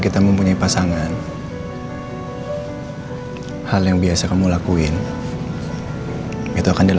itu pasti mobilnya al